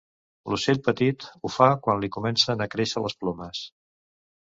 L'ocell petit ho fa quan li comencen a créixer les plomes.